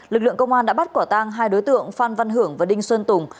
lực lượng công an đã bắt quả tang hai đối tượng phan văn hưởng và đinh xuân tùng